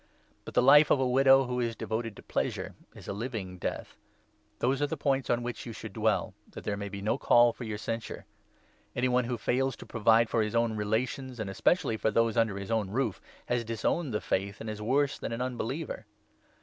But the life of a widow who is devoted 6 to pleasure is a living death. Those are the points on which 7 you should dwell, that there may be no call for your censure. Any one who fails to provide for his own relations, and 8 especially for those under his own roof, has disowned the Faith, and is worse than an unbeliever.